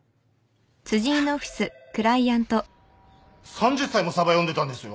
３０歳もさば読んでたんですよ。